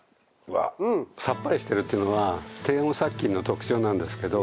さっぱりしてるというのは低温殺菌の特徴なんですけど。